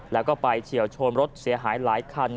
แล้วก็ไปเฉียวชนรถเสียหายหลายคัน